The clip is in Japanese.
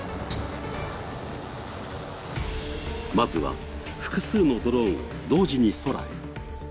まずは複数のドローンを同時に空へ。